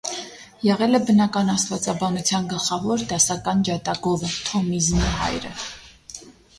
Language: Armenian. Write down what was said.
Եղել է բնական աստվածաբանության գլխավոր, դասական ջատագովը, թոմիզմի հայրը։